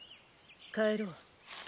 帰ろう。